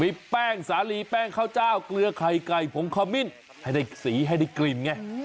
มีแป้งสาลีแป้งข้าวเจ้าเกลือไข่ไก่ผงขมิ้นให้ได้สีให้ได้กลิ่นไง